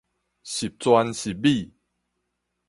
十全十美